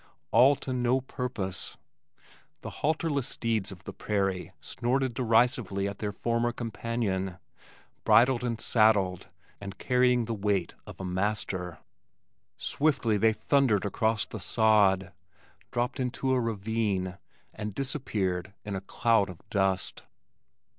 All to no purpose! The halterless steeds of the prairie snorted derisively at their former companion, bridled and saddled, and carrying the weight of a master. Swiftly they thundered across the sod, dropped into a ravine, and disappeared in a cloud of dust.